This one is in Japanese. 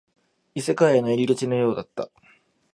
異世界への入り口のようだった